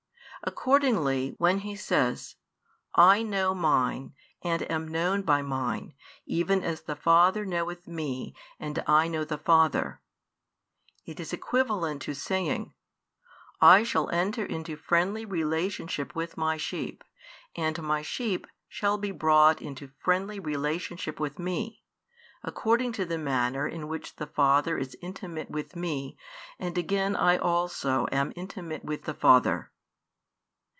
Accordingly, when He says: I know Mine, and am known by Mine, even as the Father knoweth Me, and I know the Father; it is equivalent to saying: "I shall enter into friendly relationship with My sheep, and My sheep shall be brought into friendly relationship with Me, according to the manner in which the Father is intimate with Me, and again I also am intimate with the Father."